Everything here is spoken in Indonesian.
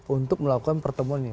untuk melakukan pertemuan ini